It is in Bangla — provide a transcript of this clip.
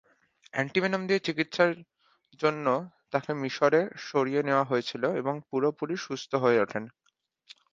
অ্যান্টি-ভেনম দিয়ে চিকিত্সার জন্য তাকে মিশরে সরিয়ে নেওয়া হয়েছিল এবং পুরোপুরি সুস্থ হয়ে ওঠেন।